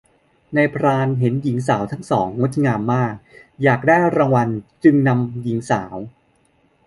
เมื่อนายพรานเห็นหญิงสาวทั้งสองงดงามมาก อยากได้รางวัลจึงนำหญิงสาว